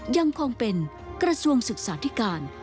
ยังคงเป็นกระทรวงศึกษาธิการ